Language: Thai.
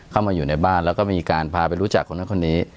เข้ามาอยู่ในบ้านแล้วก็มีการพาไปรู้จักคนนั้นคนนี้